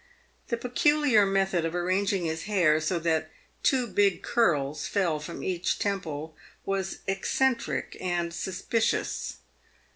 The peculiar method of arranging his hair so that two big curls fell from each temple, was eccentric and suspicious.